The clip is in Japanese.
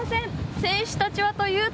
選手たちはというと。